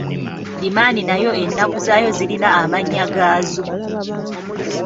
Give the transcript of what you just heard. Ddimani nayo ennaku zaayo zirina amannya gaazo.